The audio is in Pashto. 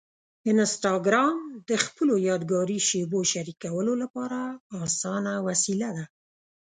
انسټاګرام د خپلو یادګاري شېبو شریکولو لپاره اسانه وسیله ده.